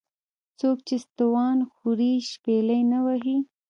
ـ څوک چې ستوان خوري شپېلۍ نه وهي .